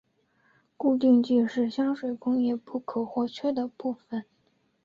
固定剂是香水工业不可或缺的部份。